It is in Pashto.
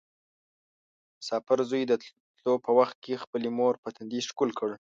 مسافر زوی د تلو په وخت کې خپلې مور په تندي ښکل کړ.